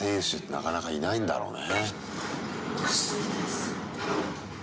なかなか、いないんだろうね。